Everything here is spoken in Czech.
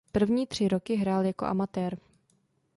První tři roky hrál jako amatér.